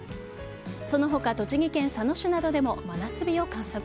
その他、栃木県佐野市などでも真夏日を観測。